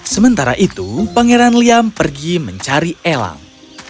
sementara itu pangeran liam pergi mencari elang